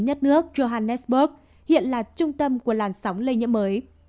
nhất nước johannesburg hiện là trung tâm của làn sóng lây nhiễm mới